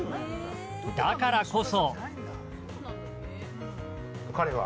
だからこそ。